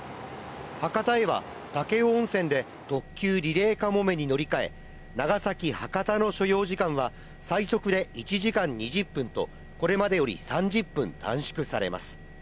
博多へは武雄温泉で特急・リレーかもめに乗り換え、長崎ー博多の所要時間は最速で１時間２０分と、これまでより３０分短縮されます。